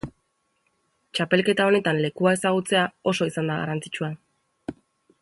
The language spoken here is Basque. Txapelketa honetan lekua ezagutzea oso izan da garrantzitsua.